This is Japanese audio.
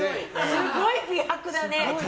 すごい美白だね。